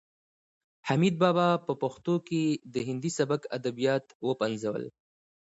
حمید بابا په پښتو کې د هندي سبک ادبیات وپنځول.